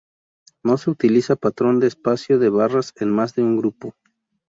No se utiliza patrón de espacio de barras en más de un grupo.